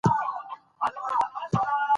هلمند سیند د افغانستان د سیلګرۍ یوه برخه ده.